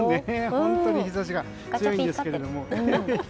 本当に日差しが強いんですけども。